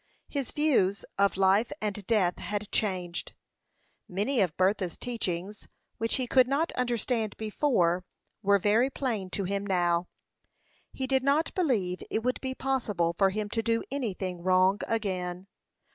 His views of life and death had changed. Many of Bertha's teachings, which he could not understand before, were very plain to him now. He did not believe it would be possible for him to do anything wrong again.